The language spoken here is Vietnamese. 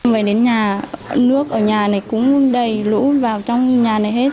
về đến nhà nước ở nhà này cũng đầy lũ vào trong nhà này hết